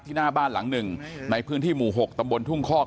หน้าบ้านหลังหนึ่งในพื้นที่หมู่๖ตำบลทุ่งคอก